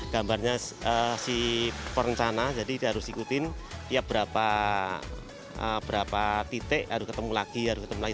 gambarnya si perencana jadi dia harus ikutin tiap berapa titik harus ketemu lagi harus ketemu lagi